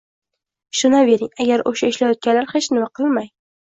Ishonavering, agar o‘sha ishlayotganlar hech nima qilmay